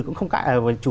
cũng không cãi